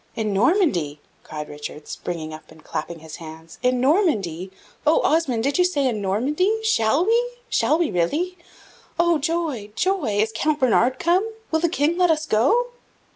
"In Normandy!" cried Richard, springing up and clapping his hands. "In Normandy! Oh, Osmond, did you say in Normandy? Shall we, shall we really? Oh, joy! joy! Is Count Bernard come? Will the King let us go?"